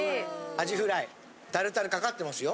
アジフライタルタルかかってますよ。